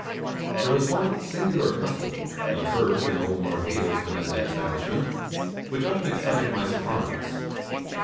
There was one singular custom observed in old Marheyo's domestic establishment, which often excited my surprise.